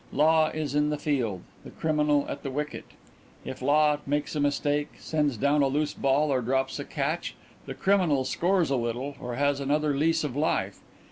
Law is in the field; the Criminal at the wicket. If Law makes a mistake sends down a loose ball or drops a catch the Criminal scores a little or has another lease of life.